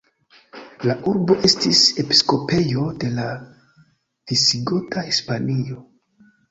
La urbo estis episkopejo de la Visigota Hispanio.